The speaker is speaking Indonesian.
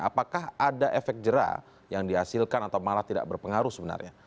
apakah ada efek jerah yang dihasilkan atau malah tidak berpengaruh sebenarnya